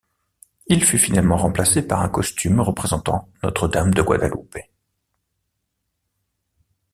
Il fut finalement remplacé par un costume représentant Notre-Dame de Guadalupe.